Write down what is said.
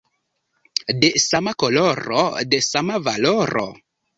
De sama koloro, de sama valoro.